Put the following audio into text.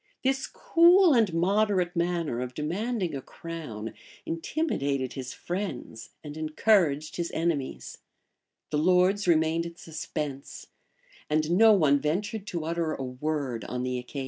[] This cool and moderate manner of demanding a crown intimidated his friends and encouraged his enemies: the lords remained in suspense;[] and no one ventured to utter a word on the occasion.